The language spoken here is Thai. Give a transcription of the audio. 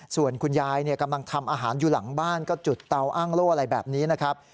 ส่วนคุณยายกำลังทำอาหารอยู่หลังบ้านก็จุดเตาอ้างโล่อะไรแบบนี้นะครับ